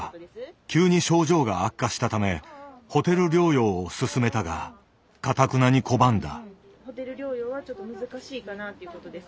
急に症状が悪化したため「ホテル療養」を勧めたがかたくなに拒んだ。